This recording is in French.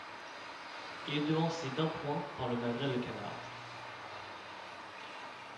Il est devancé d'un point par le magret de canard.